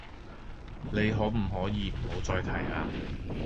你可唔可以唔好再提呀